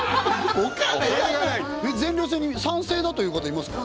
全寮制に賛成だという方いますか？